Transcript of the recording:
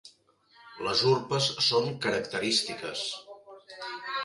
Les urpes són característiques.